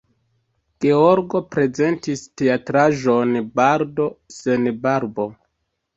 Georgo prezentis teatraĵon "Bardo sen Barbo".